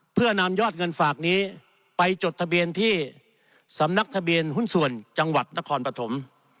เพื่อนำยอดเงินฝากนี้ไปจดทะเบียนที่สำนักทะเบียนหุ้นส่วนจังหวัดนครปฐม